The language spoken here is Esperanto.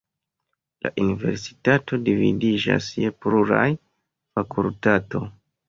La universitato dividiĝas je pluraj fakultato.